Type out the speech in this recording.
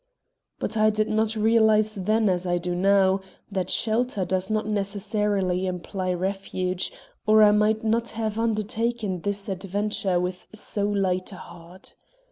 But I did not realize then, as I do now, that shelter does not necessarily imply refuge, or I might not have undertaken this adventure with so light a heart.